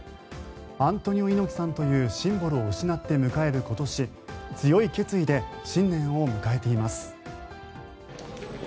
アントニオ猪木さんというシンボルを失って迎える今年強い決意で新年を迎えています。